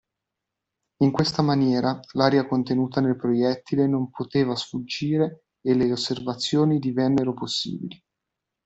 In questa maniera l'aria contenuta nel proiettile non poteva sfuggire e le osservazioni divenivano possibili.